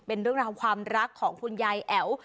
เป็นเรื่องราวความรักของคุณยายแอ๋ว